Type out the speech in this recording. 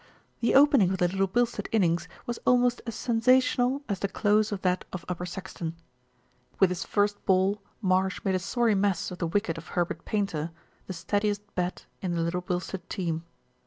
The opening of the Little Bilstead innings was almost as sensational as the close of that of Upper Saxton. With his first ball Marsh made a sorry mess of the wicket of Herbert Painter, the steadiest bat in the Little Bilstead team.